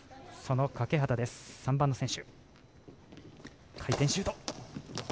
欠端、３番の選手。